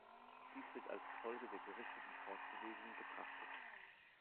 Dies wird als Folge der gerichteten Fortbewegung betrachtet.